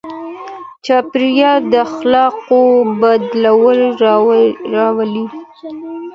چاپېريال د اخلاقو بدلون راولي.